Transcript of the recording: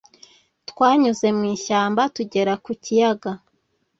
Twanyuze mu ishyamba tugera ku kiyaga.